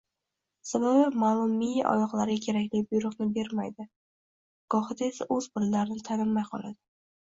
Sababi maʼlummiya oyoqlarga kerakli buyruqni bermaydi… Gohida esa oʻz bolalarini tanimay qoladi